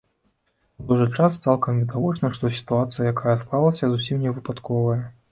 У той жа час цалкам відавочна, што сітуацыя, якая склалася, зусім не выпадковая.